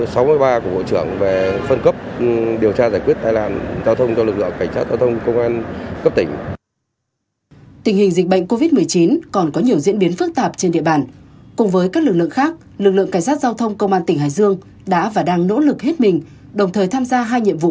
song song với đó lực lượng cảnh sát giao thông công an tỉnh hải dương vẫn thường xuyên có mặt hai mươi bốn trên hai mươi bốn giờ để cùng với các lực lượng khác tham gia làm nhiệm vụ tại các chốt kiểm soát dịch bệnh trên toàn tỉnh